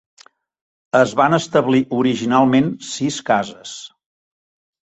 Es van establir originalment sis cases.